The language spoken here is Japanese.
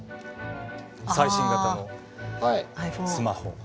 最新型のスマホ。